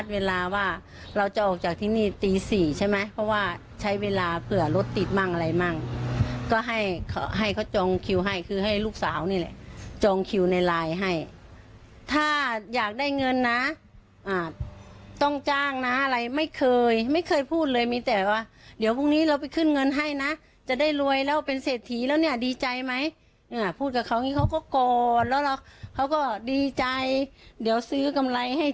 เวลาว่าเราจะออกจากที่นี่ตีสี่ใช่ไหมเพราะว่าใช้เวลาเผื่อรถติดมั่งอะไรมั่งก็ให้เขาให้เขาจองคิวให้คือให้ลูกสาวนี่แหละจองคิวในไลน์ให้ถ้าอยากได้เงินน่ะอ่าต้องจ้างน่ะอะไรไม่เคยไม่เคยพูดเลยมีแต่ว่าเดี๋ยวพรุ่งนี้เราไปขึ้นเงินให้น่ะจะได้รวยแล้วเป็นเศรษฐีแล้วเนี้ยดีใจไหมอ่าพูดกับเขาอย่าง